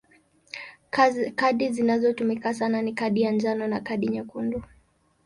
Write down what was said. Kadi zinazotumika sana ni kadi ya njano na kadi nyekundu.